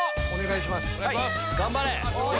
頑張れ！